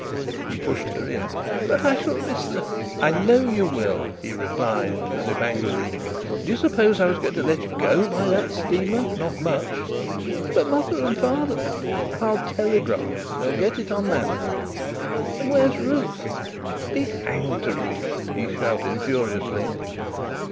He pushed her in. "But I shall miss the..." "I know you will," he replied, as if angrily. "Do you suppose I was going to let you go by that steamer? Not much." "But mother and father..." "I'll telegraph. They'll get it on landing." "And where's Ruth?" "Be hanged to Ruth!" he shouted furiously.